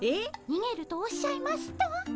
にげるとおっしゃいますと？